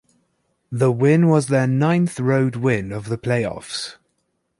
The win was their ninth road win of the playoffs.